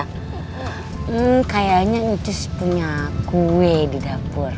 hmm kayaknya icus punya kue di dapur